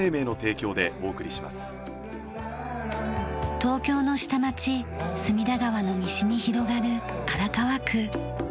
東京の下町隅田川の西に広がる荒川区。